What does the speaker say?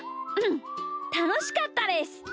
うんたのしかったです。